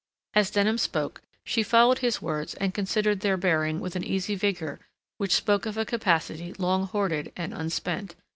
As Denham spoke, she followed his words and considered their bearing with an easy vigor which spoke of a capacity long hoarded and unspent.